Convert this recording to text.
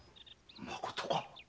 まことか？